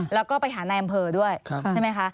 แล้วก็ไปหานายอำเภอด้วยใช่ไหมคะ